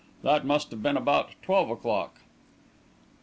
That must have been about twelve o'clock.